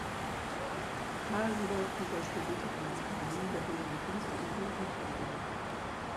Carl Rudolf Huber studierte an den Akademien der bildenden Künste in Wien und Düsseldorf.